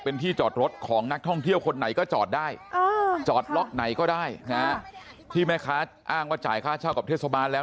เป็นที่จอดรถของนักท่องเที่ยวคนไหนก็จอดได้จอดล็อกไหนก็ได้นะที่แม่ค้าอ้างว่าจ่ายค่าเช่ากับเทศบาลแล้ว